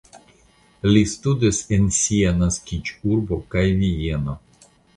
Li studis en sia naskiĝurbo kaj Vieno.